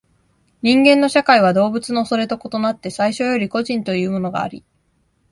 人間の社会は動物のそれと異なって最初より個人というものがあり、